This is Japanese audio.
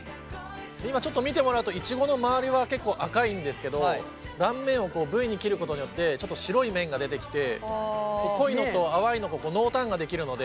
ちょっと見てもらうとイチゴの周りは結構赤いんですけど断面をＶに切ることによってちょっと白い面が出てきて濃いのと淡いのこう濃淡ができるので。